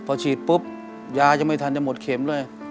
พอฉีดปุ๊บยายังไม่ทันจะหมดเข็มเลย